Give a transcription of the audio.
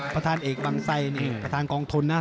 ประธานเอกบังไสนี่ประธานกองทุนนะ